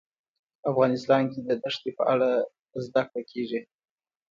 افغانستان کې د دښتې په اړه زده کړه کېږي.